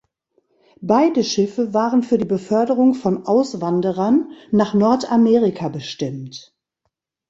Beide Schiffe waren für die Beförderung von Auswanderern nach Nordamerika bestimmt.